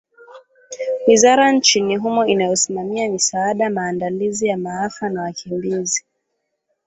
wizara nchini humo inayosimamia misaada maandalizi ya maafa na wakimbizi